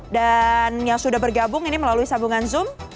dan yang sudah bergabung ini melalui sambungan zoom